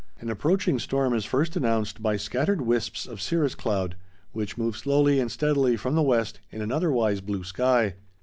An approaching storm is first announced by scattered wisps of cirrus cloud, which move slowly and steadily from the west in an otherwise blue sky.